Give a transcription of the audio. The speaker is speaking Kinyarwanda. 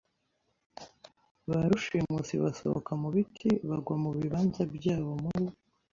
ba rushimusi basohoka mu biti bagwa mu bibanza byabo muri